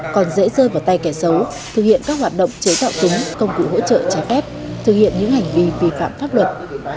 còn dễ rơi vào tay kẻ xấu thực hiện các hoạt động chế tạo súng công cụ hỗ trợ trái phép thực hiện những hành vi vi phạm pháp luật